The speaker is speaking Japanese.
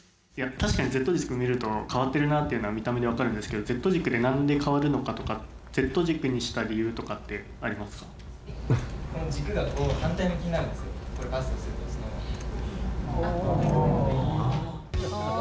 確かにＺ軸見ると変わってるなっていうのは見た目で分かるんですけどＺ軸で何で変わるのかとかＺ軸にした理由とかってありますか？